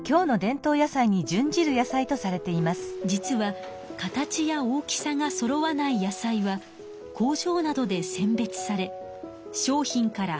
実は形や大きさがそろわない野菜は工場などで選別され商品から外されてしまいます。